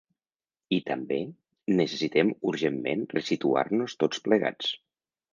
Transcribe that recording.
I també: Necessitem urgentment resituar-nos tots plegats.